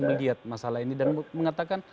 melihat masalah ini dan mengatakan